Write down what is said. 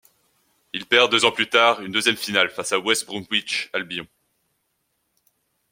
Il perd deux ans plus tard une deuxième finale face à West Bromwich Albion.